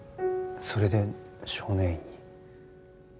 それで少年院に？